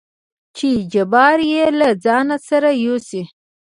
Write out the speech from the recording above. چې جبار يې له ځانه سره يوسي.